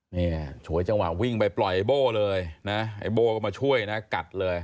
ฉวยจังหวะวิ่งไปปล่อยโบ้เลยนะไอ้โบ้ก็มาช่วยนะกัดเลย